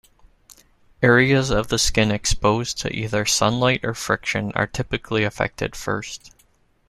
Areas of the skin exposed to either sunlight or friction are typically affected first.